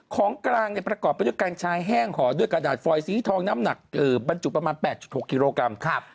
ของกลางประกอบไปด้วยการชายแห้งห่อด้วยกระดาษฟอยสีทองน้ำหนักบรรจุประมาณ๘๖กิโลกรัม